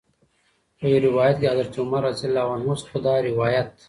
په یو روایت کې د حضرت عمر رض څخه دا روایت